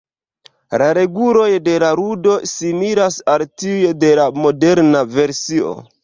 La reguloj de la ludo similas al tiuj de la moderna versio.